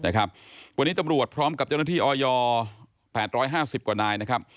วันนี้ตำรวจพร้อมกับเจ้าหน้าที่ออย๘๕๐กว่านายนะครับ